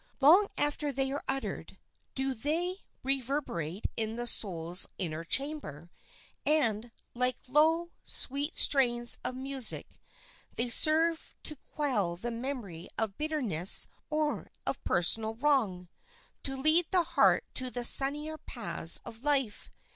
Long after they are uttered do they reverberate in the soul's inner chamber, and, like low, sweet strains of music, they serve to quell the memory of bitterness or of personal wrong, to lead the heart to the sunnier paths of life.